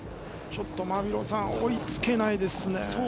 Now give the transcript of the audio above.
ちょっとマビローさん追いつけないですね。